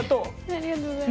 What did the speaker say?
ありがとうございます。